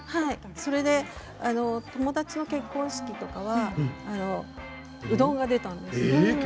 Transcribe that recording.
それで友達の結婚式とかはうどんが出たんですよ。